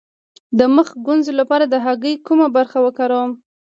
د مخ د ګونځو لپاره د هګۍ کومه برخه وکاروم؟